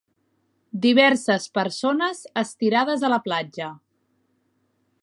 Diverses persones estirades a la platja